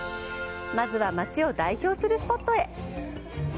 まずは街を代表するスポットへ！